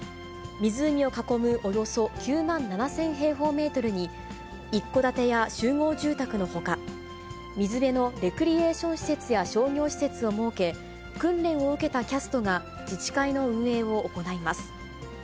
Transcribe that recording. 湖を囲むおよそ９万７０００平方メートルに、一戸建てや集合住宅のほか、水辺のレクリエーション施設や商業施設を設け、訓練を受けたキャストが自治会の運営を行います。